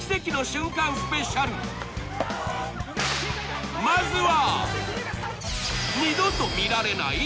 まさにまずは二度と見られない！？